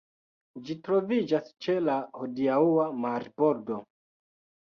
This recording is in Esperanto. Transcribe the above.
Ĝi troviĝas ĉe la hodiaŭa marbordo.